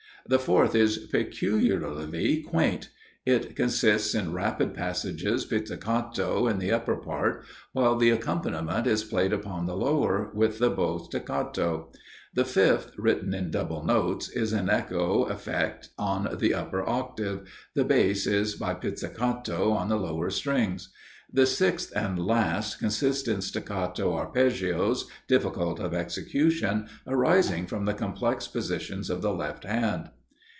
The fourth is peculiarly quaint; it consists in rapid passages pizzicato in the upper part, while the accompaniment is played upon the lower, with the bow staccato. The fifth, written in double notes, is an echo effect on the upper octave, the bass is by pizzicato on the lower strings. The sixth and last consists in staccato arpeggios, difficult of execution, arising from the complex positions of the left hand.